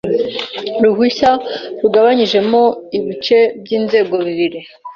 ruhushya rugabanyijemo bice by inzego bibiri